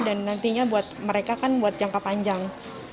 dan nantinya buat mereka kan buat jangka panjang